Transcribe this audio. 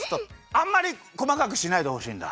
あんまりこまかくしないでほしいんだ。